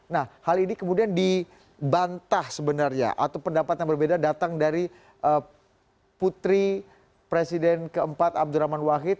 nah hal ini kemudian dibantah sebenarnya atau pendapat yang berbeda datang dari putri presiden keempat abdurrahman wahid